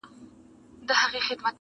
نه وم د رندانو په محفل کي مغان څه ویل٫